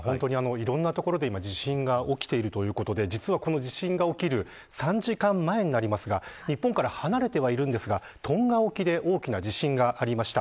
いろんな所で地震が起きているということで実は、この地震が起きる３時間前になりますが日本から離れてはおりますがトンガ沖で大きな地震がありました。